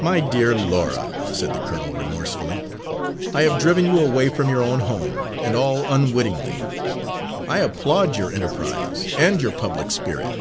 "My dear Laura," said the colonel, remorsefully, "I have driven you away from your own home, and all unwittingly. I applaud your enterprise and your public spirit.